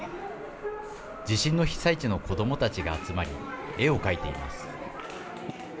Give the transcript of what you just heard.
地震の被災地の子どもたちが集まり、絵を描いています。